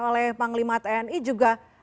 oleh panglima tni juga